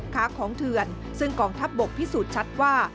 ค้าของเถื่อนซึ่งกองทัพบกพิสูจน์ชัดว่า